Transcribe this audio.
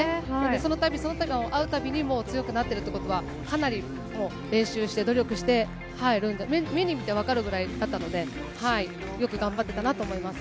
そのたび、会うたびに、強くなってるということは、かなりもう練習して努力しているんで、目に見て分かるぐらいだったので、よく頑張ってたなと思います。